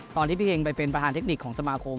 พี่เฮงไปเป็นประธานเทคนิคของสมาคม